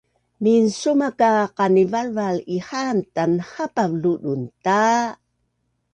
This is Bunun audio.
Minsuma ka qanivalval ihaan tanhapav ludun ta